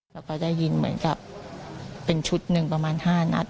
แล้วก็ได้ยินเหมือนกับเป็นชุดหนึ่งประมาณ๕นัด